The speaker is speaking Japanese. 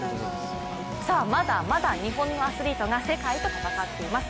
まだまだ日本のアスリートが世界と戦っています。